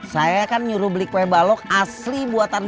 saya kan nyuruh beli kue balok asli buat anda